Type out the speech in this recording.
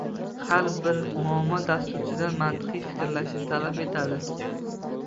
Har bir muammo dasturchidan mantiqiy fikrlashni talab etadi